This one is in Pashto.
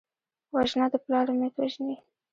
وژنه د پلار امید وژني